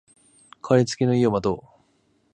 かかりつけ医を持とう